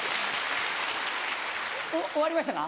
終わりましたか？